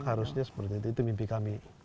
harusnya seperti itu itu mimpi kami